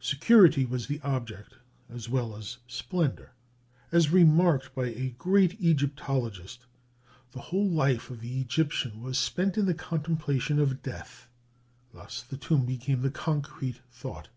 Security was the object as well as splendor. As remarked by a great Egyptologist, the whole life of the Egyptian was spent in the contemplation of death; thus the tomb became the concrete thought.